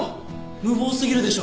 無謀すぎるでしょ。